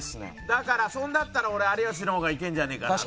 だからそれだったら俺有吉の方がいけるんじゃねえかなと。